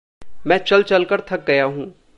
मैं चल-चलकर थक गया हूँ।